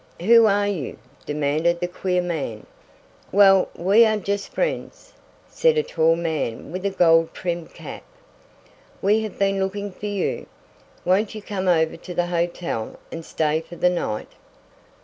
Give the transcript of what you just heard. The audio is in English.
"Who are you?" demanded the queer man. "Well, we are just friends," said a tall man with a gold trimmed cap. "We have been looking for you. Won't you come over to the hotel and stay for the night?"